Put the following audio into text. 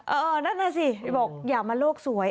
เออนั่นน่ะสิบอกอย่ามาโลกสวย